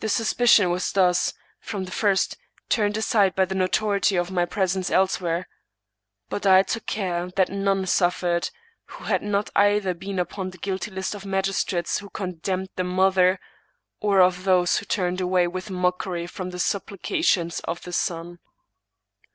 The suspicion was thus, from the first, turned aside by the notoriety of my presence elsewhere ; but I took care that none suffered who had not either been upon the guilty list of magistrates who condemned the mother, or of those who turned away with mockery from the suppli cation of the son.